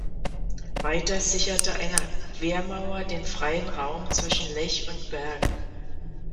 Weiters sicherte eine Wehrmauer den freien Raum zwischen Lech und Berg.